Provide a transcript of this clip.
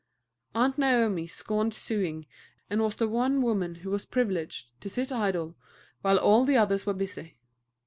Aunt Naomi scorned sewing, and was the one woman who was privileged to sit idle while all the others were busy.